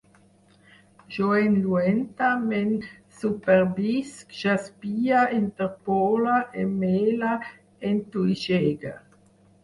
Jo enlluente, m'ensuperbisc, jaspie, interpole, emmele, entuixegue